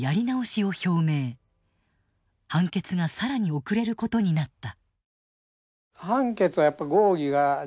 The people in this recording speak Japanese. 判決が更に遅れることになった。